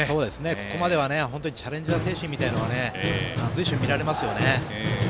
ここまでは本当にチャレンジャー精神のようなものが随所に見られますね。